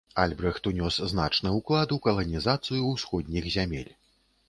Альбрэхт ўнёс значны ўклад у каланізацыю ўсходніх зямель.